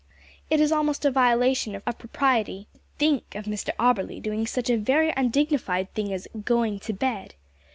It is almost a violation of propriety to think of Mr Auberly doing such a very undignified thing as "going to bed!"